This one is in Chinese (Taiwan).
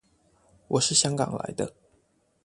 我是香港來的